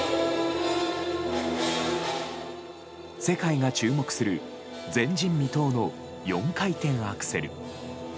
世界が注目する前人未到の４回転アクセル。